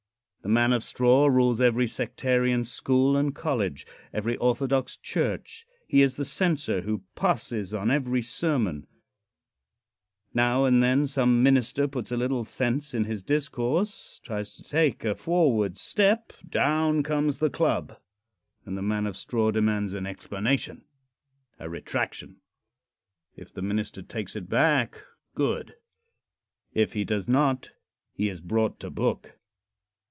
The man of straw rules every sectarian school and college every orthodox church. He is the censor who passes on every sermon. Now and then some minister puts a little sense in his discourse tries to take a forward step. Down comes the club, and the man of straw demands an explanation a retraction. If the minister takes it back good. If he does not, he is brought to book.